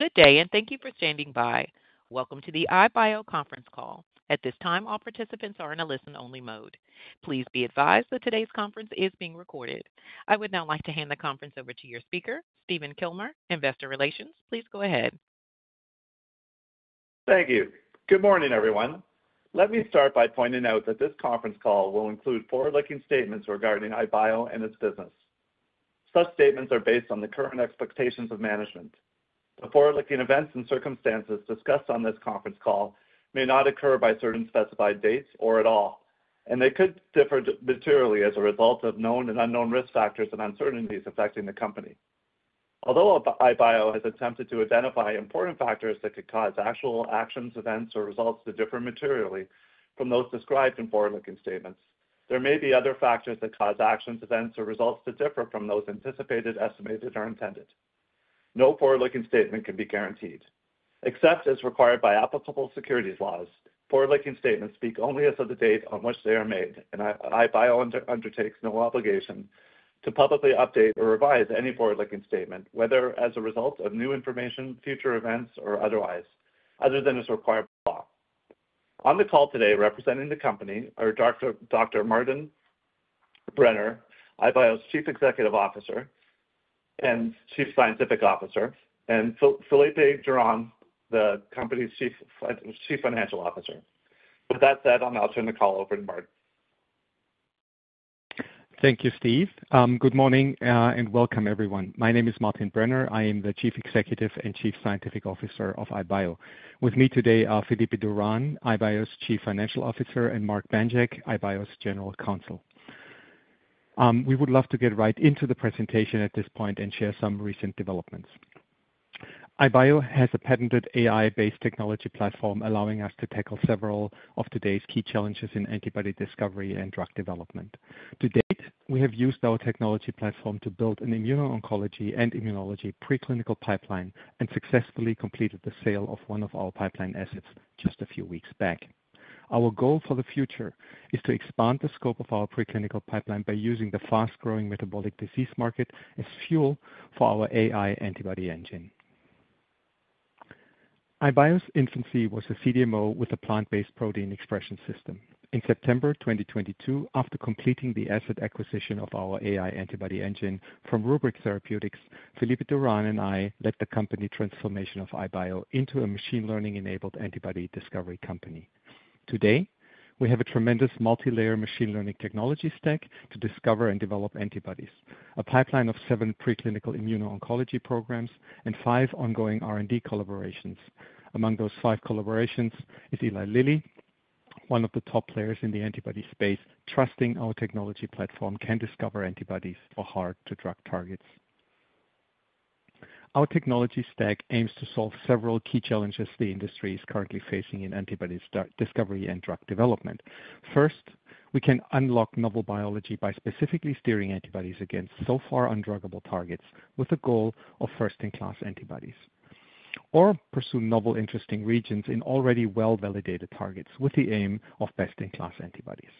Good day, and thank you for standing by. Welcome to the iBio conference call. At this time, all participants are in a listen-only mode. Please be advised that today's conference is being recorded. I would now like to hand the conference over to your speaker, Stephen Kilmer, Investor Relations. Please go ahead. Thank you. Good morning, everyone. Let me start by pointing out that this conference call will include forward-looking statements regarding iBio and its business. Such statements are based on the current expectations of management. The forward-looking events and circumstances discussed on this conference call may not occur by certain specified dates or at all, and they could differ materially as a result of known and unknown risk factors and uncertainties affecting the company. Although iBio has attempted to identify important factors that could cause actual actions, events, or results to differ materially from those described in forward-looking statements, there may be other factors that cause actions, events, or results to differ from those anticipated, estimated, or intended. No forward-looking statement can be guaranteed. Except as required by applicable securities laws, forward-looking statements speak only as of the date on which they are made, and iBio undertakes no obligation to publicly update or revise any forward-looking statement, whether as a result of new information, future events, or otherwise, other than as required by law. On the call today representing the company are Dr. Martin Brenner, iBio's Chief Executive Officer and Chief Scientific Officer, and Felipe Duran, the company's Chief Financial Officer. With that said, I'll turn the call over to Martin. Thank you, Steve. Good morning and welcome, everyone. My name is Martin Brenner. I am the Chief Executive and Chief Scientific Officer of iBio. With me today are Felipe Duran, iBio's Chief Financial Officer, and Marc Banjak, iBio's General Counsel. We would love to get right into the presentation at this point and share some recent developments. iBio has a patented AI-based technology platform allowing us to tackle several of today's key challenges in antibody discovery and drug development. To date, we have used our technology platform to build an immuno-oncology and immunology preclinical pipeline and successfully completed the sale of one of our pipeline assets just a few weeks back. Our goal for the future is to expand the scope of our preclinical pipeline by using the fast-growing metabolic disease market as fuel for our AI antibody engine. iBio's infancy was a CDMO with a plant-based protein expression system. In September 2022, after completing the asset acquisition of our AI antibody engine from RubrYc Therapeutics, Felipe Duran and I led the company transformation of iBio into a machine-learning-enabled antibody discovery company. Today, we have a tremendous multilayer machine-learning technology stack to discover and develop antibodies, a pipeline of seven preclinical immuno-oncology programs, and five ongoing R&D collaborations. Among those five collaborations is Eli Lilly, one of the top players in the antibody space trusting our technology platform can discover antibodies for hard-to-drug targets. Our technology stack aims to solve several key challenges the industry is currently facing in antibody discovery and drug development. First, we can unlock novel biology by specifically steering antibodies against so far undruggable targets with the goal of first-in-class antibodies, or pursue novel interesting regions in already well-validated targets with the aim of best-in-class antibodies.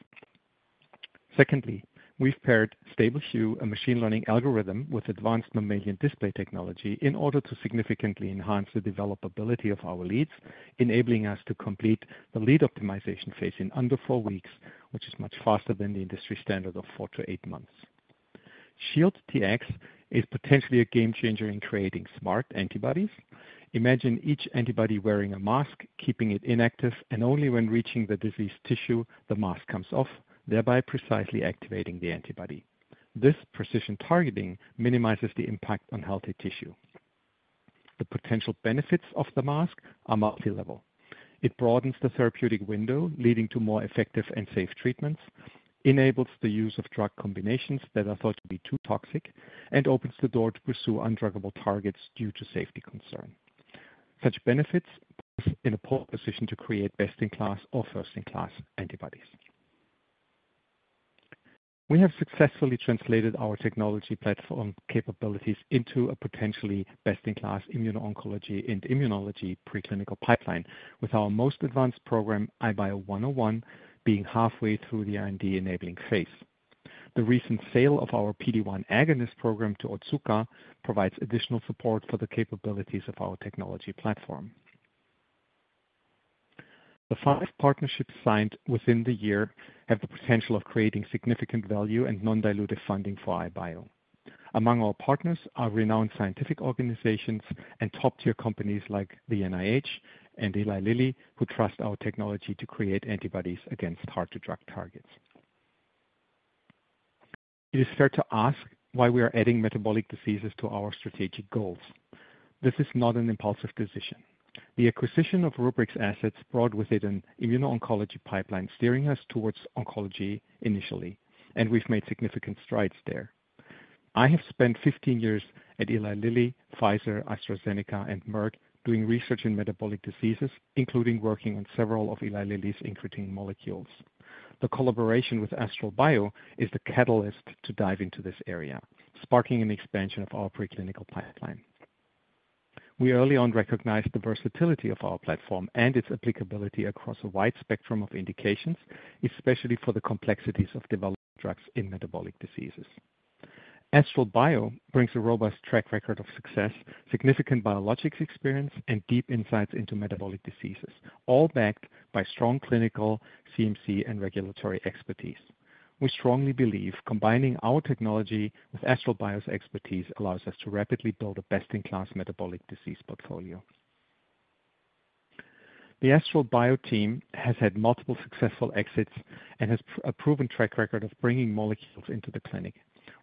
Secondly, we've paired StableHu, a machine-learning algorithm with advanced mammalian display technology, in order to significantly enhance the developability of our leads, enabling us to complete the lead optimization phase in under four weeks, which is much faster than the industry standard of four to eight months. ShieldTx is potentially a game-changer in creating smart antibodies. Imagine each antibody wearing a mask, keeping it inactive, and only when reaching the diseased tissue, the mask comes off, thereby precisely activating the antibody. This precision targeting minimizes the impact on healthy tissue. The potential benefits of the mask are multilevel. It broadens the therapeutic window, leading to more effective and safe treatments, enables the use of drug combinations that are thought to be too toxic, and opens the door to pursue undruggable targets due to safety concerns. Such benefits put us in a pole position to create best-in-class or first-in-class antibodies. We have successfully translated our technology platform capabilities into a potentially best-in-class immuno-oncology and immunology preclinical pipeline, with our most advanced program, IBIO-101, being halfway through the IND-enabling phase. The recent sale of our PD-1 agonist program to Otsuka provides additional support for the capabilities of our technology platform. The five partnerships signed within the year have the potential of creating significant value and non-dilutive funding for iBio. Among our partners are renowned scientific organizations and top-tier companies like the NIH and Eli Lilly, who trust our technology to create antibodies against hard-to-drug targets. It is fair to ask why we are adding metabolic diseases to our strategic goals. This is not an impulsive decision. The acquisition of RubrYc's assets brought with it an immuno-oncology pipeline steering us towards oncology initially, and we've made significant strides there. I have spent 15 years at Eli Lilly, Pfizer, AstraZeneca, and Merck doing research in metabolic diseases, including working on several of Eli Lilly's incretin molecules. The collaboration with AstralBio is the catalyst to dive into this area, sparking an expansion of our preclinical pipeline. We early on recognized the versatility of our platform and its applicability across a wide spectrum of indications, especially for the complexities of developing drugs in metabolic diseases. AstralBio brings a robust track record of success, significant biologics experience, and deep insights into metabolic diseases, all backed by strong clinical, CMC, and regulatory expertise. We strongly believe that combining our technology with AstralBio's expertise allows us to rapidly build a best-in-class metabolic disease portfolio. The AstralBio team has had multiple successful exits and has a proven track record of bringing molecules into the clinic.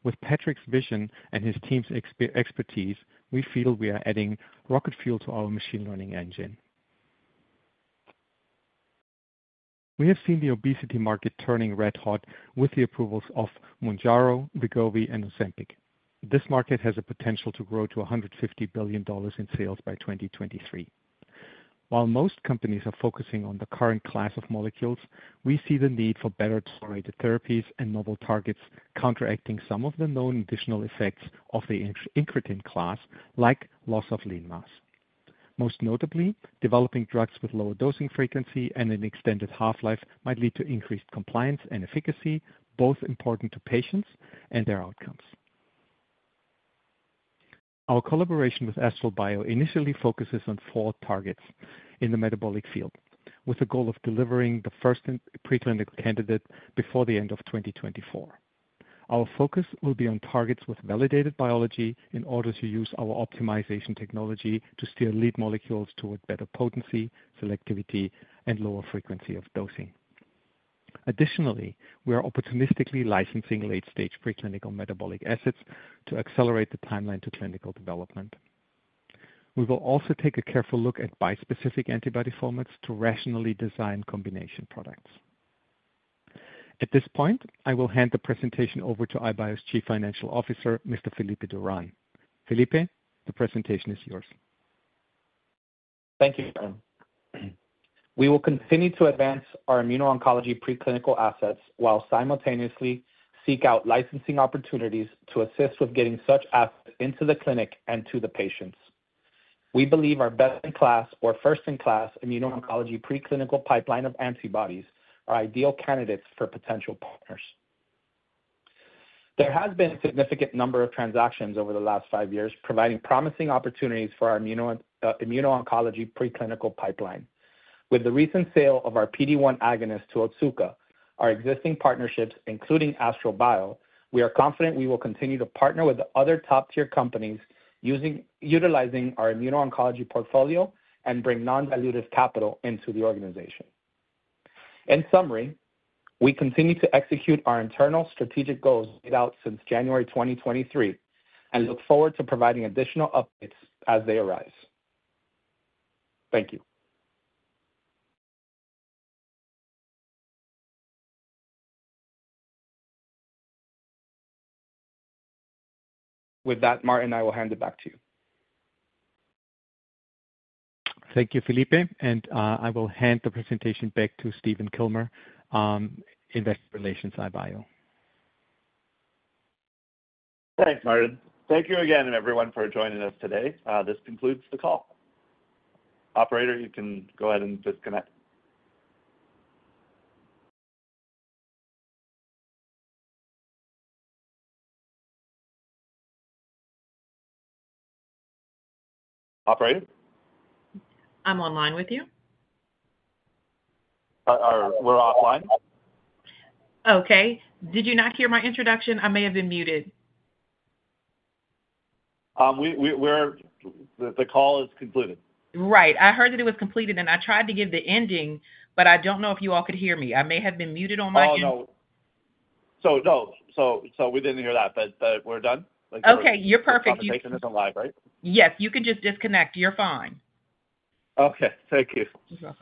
With Patrick's vision and his team's expertise, we feel we are adding rocket fuel to our machine-learning engine. We have seen the obesity market turning red-hot with the approvals of Mounjaro, Wegovy, and Ozempic. This market has the potential to grow to $150 billion in sales by 2023. While most companies are focusing on the current class of molecules, we see the need for better tolerated therapies and novel targets counteracting some of the known additional effects of the incretin class, like loss of lean mass. Most notably, developing drugs with lower dosing frequency and an extended half-life might lead to increased compliance and efficacy, both important to patients and their outcomes. Our collaboration with AstralBio initially focuses on four targets in the metabolic field, with the goal of delivering the first preclinical candidate before the end of 2024. Our focus will be on targets with validated biology in order to use our optimization technology to steer lead molecules toward better potency, selectivity, and lower frequency of dosing. Additionally, we are opportunistically licensing late-stage preclinical metabolic assets to accelerate the timeline to clinical development. We will also take a careful look at bispecific antibody formats to rationally design combination products. At this point, I will hand the presentation over to iBio's Chief Financial Officer, Mr. Felipe Duran. Felipe, the presentation is yours. Thank you, Martin. We will continue to advance our immuno-oncology preclinical assets while simultaneously seek out licensing opportunities to assist with getting such assets into the clinic and to the patients. We believe our best-in-class or first-in-class immuno-oncology preclinical pipeline of antibodies is ideal candidates for potential partners. There has been a significant number of transactions over the last five years, providing promising opportunities for our immuno-oncology preclinical pipeline. With the recent sale of our PD-1 agonist to Otsuka, our existing partnerships, including AstralBio, we are confident we will continue to partner with other top-tier companies utilizing our immuno-oncology portfolio and bring non-dilutive capital into the organization. In summary, we continue to execute our internal strategic goals laid out since January 2023 and look forward to providing additional updates as they arise. Thank you. With that, Martin, I will hand it back to you. Thank you, Felipe. I will hand the presentation back to Stephen Kilmer, Investor Relations, iBio. Thanks, Martin. Thank you again, everyone, for joining us today. This concludes the call. Operator, you can go ahead and disconnect. Operator? I'm online with you. We're offline. Okay. Did you not hear my introduction? I may have been muted. The call is concluded. Right. I heard that it was completed, and I tried to give the ending, but I don't know if you all could hear me. I may have been muted on my end. Oh, no. So no. So we didn't hear that. But we're done? Okay. You're perfect. You just. I'm taking this live, right? Yes. You could just disconnect. You're fine. Okay. Thank you.